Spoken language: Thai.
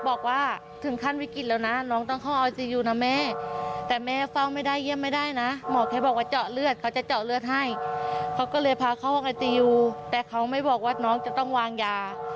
เพื่อที่จะเจาะตรงขา